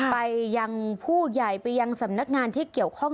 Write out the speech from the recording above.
ไปยังผู้ใหญ่ไปยังสำนักงานที่เกี่ยวข้อง